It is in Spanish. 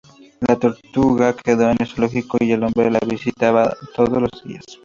La tortuga quedó en el zoológico y el hombre la visitaba todos los días.